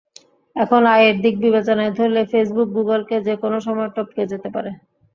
এখন আয়ের দিক বিবেচনায় ধরলে ফেসবুক গুগলকে যেকোনো সময় টপকে যেতে পারে।